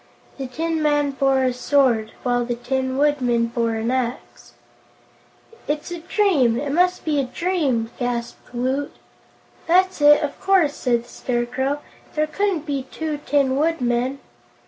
This tin man bore a sword, while the Tin Woodman bore an axe. "It's a dream; it must be a dream!" gasped Woot. "That's it, of course," said the Scarecrow; "there couldn't be two Tin Woodmen."